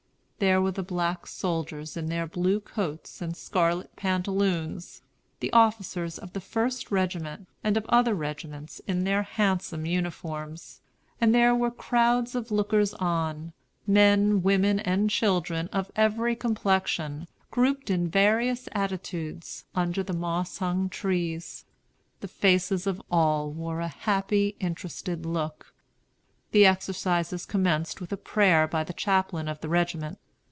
There were the black soldiers in their blue coats and scarlet pantaloons; the officers of the First Regiment, and of other regiments, in their handsome uniforms; and there were crowds of lookers on, men, women, and children, of every complexion, grouped in various attitudes, under the moss hung trees. The faces of all wore a happy, interested look. The exercises commenced with a prayer by the chaplain of the regiment.